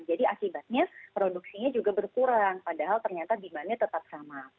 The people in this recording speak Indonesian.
jadi akibatnya produksinya juga berkurang padahal ternyata demandnya tetap sama